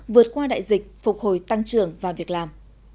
vượt qua đại dịch phục hồi tăng trưởng và việc làm